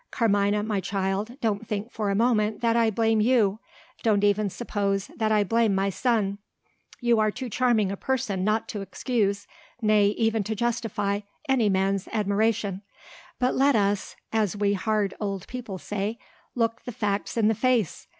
Carmina, my child, don't think for a moment that I blame you! don't even suppose that I blame my son. You are too charming a person not to excuse, nay even to justify, any man's admiration. But let us (as we hard old people say) look the facts in the face.